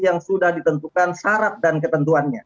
yang sudah ditentukan syarat dan ketentuannya